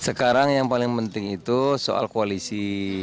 sekarang yang paling penting itu soal koalisi